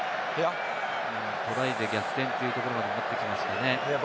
トライで逆転というところにもなってきますかね。